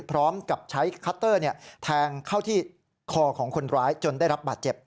พร้อมกับใช้คัตเตอร์แทงเข้าที่คอของคนร้ายจนได้รับบาดเจ็บ